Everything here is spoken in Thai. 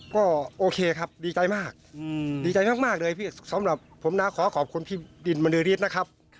ก็โอเคครับดีใจมากดีใจมากเลยพี่สำหรับผมนะขอขอบคุณพี่ดินมณีฤทธินะครับ